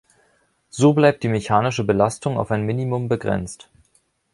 So bleibt die mechanische Belastung auf ein Minimum begrenzt.